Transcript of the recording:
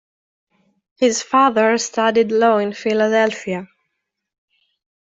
His father studied law in Philadelphia.